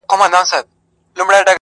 جنون د حسن پر امساء باندې راوښويدی,